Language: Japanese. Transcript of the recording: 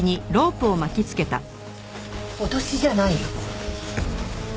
脅しじゃないよ？